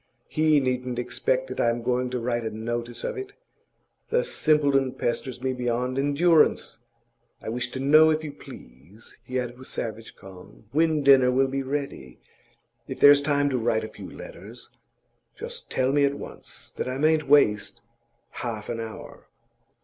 He needn't expect that I'm going to write a notice of it. The simpleton pesters me beyond endurance. I wish to know, if you please,' he added with savage calm, 'when dinner will be ready. If there's time to write a few letters, just tell me at once, that I mayn't waste half an hour.